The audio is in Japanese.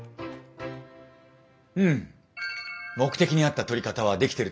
うん目的に合った撮り方はできてると思いますよ。